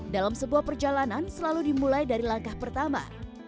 dalam sebuah perjalanan selalu dimulai dari langkah pertama